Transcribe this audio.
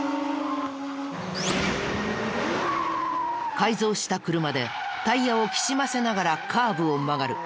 改造した車でタイヤをきしませながらカーブを曲がる。